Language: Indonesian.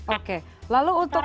oke lalu untuk